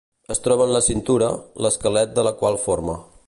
Es troba en la cintura, l'esquelet de la qual forma.